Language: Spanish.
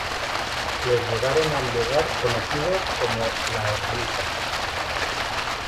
Les llevaron al lugar conocido como "La Ermita".